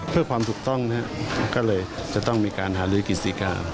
เพื่อความถูกต้องก็เลยจะต้องมีการหารุยกิจสิกา